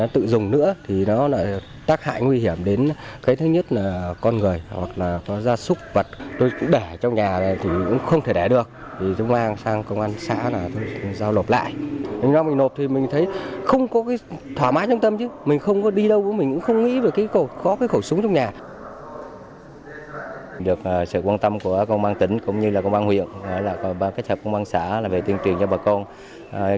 sự quan tâm của công an tỉnh cũng như công an huyện các xã hội công an xã về tuyên truyền cho bà con